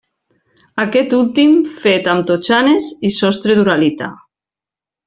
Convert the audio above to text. Aquest últim fet amb totxanes i sostre d'uralita.